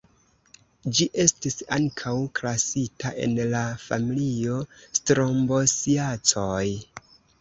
Ĝi estis ankaŭ klasita en la familio Strombosiacoj.